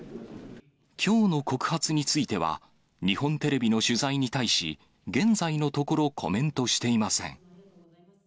きょうの告発については、日本テレビの取材に対し、現在のところ、コメントしていません。